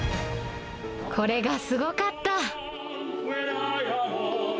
これがすごかった。